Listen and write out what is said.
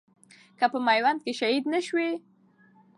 که په ميوند کښي شهيد نه شوې